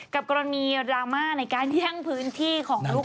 กับกรณีรามาในการยั่งพื้นที่ของลูกค้า